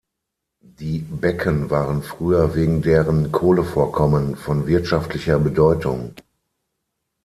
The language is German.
Die Becken waren früher wegen deren Kohlevorkommen von wirtschaftlicher Bedeutung.